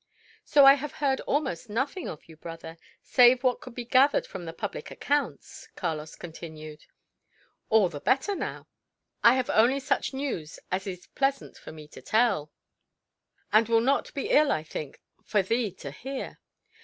"So I have heard almost nothing of you, brother; save what could be gathered from the public accounts," Carlos continued. "All the better now. I have only such news as is pleasant for me to tell; and will not be ill, I think, for thee to hear.